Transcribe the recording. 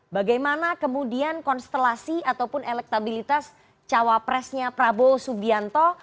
bagaimana kemudian konstelasi ataupun elektabilitas cawapresnya prabowo subianto